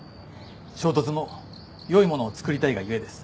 衝突も良いものを作りたいが故です。